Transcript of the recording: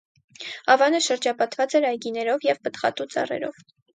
Ավանը շրջապատված էր այգիներով և պտղատու ծառերով։